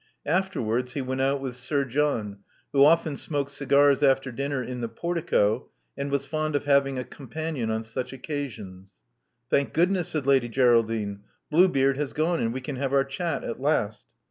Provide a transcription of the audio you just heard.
Afterwards, he went out with Sir John, who often smoked cigars after dinner in the portico, and was fond of having a companion on such occasions. Thank goodness!" said Lady Geraldine. Blue beard has gone; and we can have our chat at last."